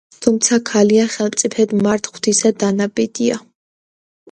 თუცა ქალია, ხელმწიფედ მართ ღმრთისა დანაბადია;